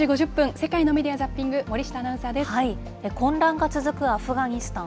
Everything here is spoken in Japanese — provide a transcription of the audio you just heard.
世界のメディア・ザッピング、混乱が続くアフガニスタン。